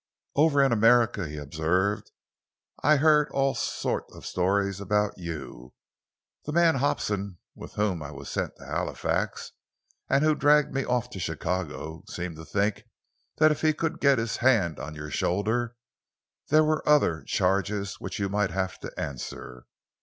"Over in America," he observed, "I heard all sorts of stories about you. The man Hobson, with whom I was sent to Halifax, and who dragged me off to Chicago, seemed to think that if he could once get his hand on your shoulder there were other charges which you might have to answer.